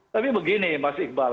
tapi begini mas iqbal